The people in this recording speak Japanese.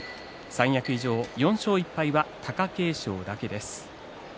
三役以上の４勝１敗は貴景勝だけです。